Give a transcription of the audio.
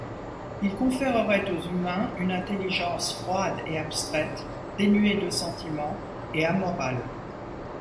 Il conférerait aux humains une intelligence froide et abstraite, dénuée de sentiments, et amorale.